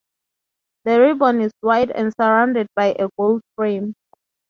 The ribbon is wide and surrounded by a gold frame.